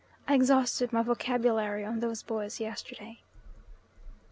(I exhausted my vocabulary on those boys yesterday.)